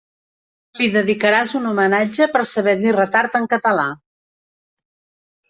Li dedicaràs un homenatge per saber dir retard en català.